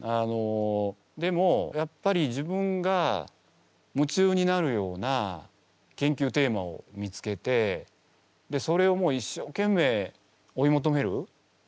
でもやっぱり自分が夢中になるような研究テーマを見つけてそれを一生懸命追い求める。